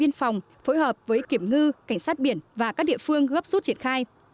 biên phòng phối hợp với kiểm ngư cảnh sát biển và các địa phương gấp rút triển khai